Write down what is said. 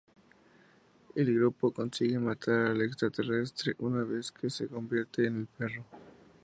El grupo consigue matar al extraterrestre una vez que se convierte en el perro.